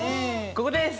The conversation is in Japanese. ここです！